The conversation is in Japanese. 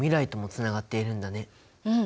うん。